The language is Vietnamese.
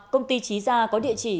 công ty trí ra có địa chỉ